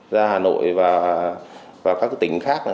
ra hà nội và các tỉnh khác